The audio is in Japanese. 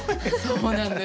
そうなんです。